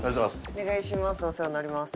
お願いします。